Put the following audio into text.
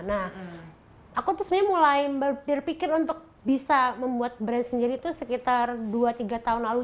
nah aku tuh sebenarnya mulai berpikir untuk bisa membuat brand sendiri itu sekitar dua tiga tahun lalu